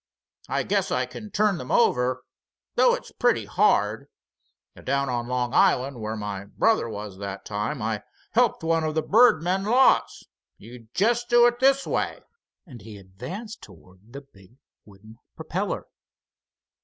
I guess I can turn them over, though it's pretty hard. Down on Long Island, where my brother was that time, I helped one of the birdmen lots. You jest do it this way," and he advanced toward the big wooden propeller.